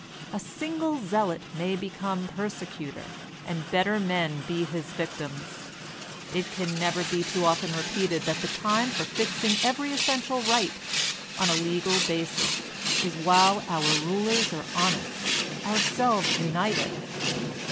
A single zealot may become persecutor, and better men be his vic tims. It can never be too often repeated that the time for fixing every essential right, on a legal basis, is while our rulers are honest, ourselves united.